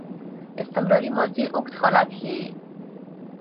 استمراري ماضي اوږد حالت ښيي.